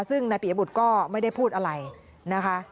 ซึ่งนายปียบุตรก็ไม่ได้พูดอะไรนะคะ